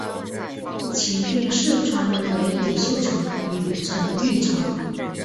秦军事传人为李秀成与陈玉成。